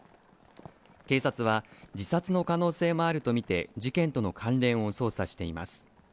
警察は、自殺の可能性もあると見て、事件との関連を捜査しています。